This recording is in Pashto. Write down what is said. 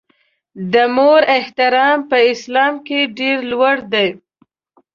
د مور احترام په اسلام کې ډېر لوړ دی.